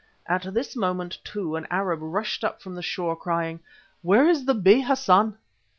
At this moment, too, an Arab rushed up from the shore, crying: "Where is the Bey Hassan?"